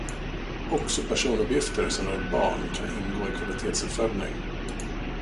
Också personuppgifter som rör barn kan ingå i kvalitetsuppföljning.